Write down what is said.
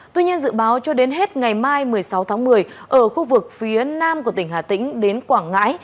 tuy nhiên dự báo cho đến hết ngày mai một mươi sáu tháng một mươi ở khu vực phía nam của tỉnh hà tĩnh đến quảng ngãi